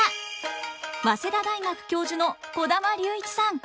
早稲田大学教授の児玉竜一さん。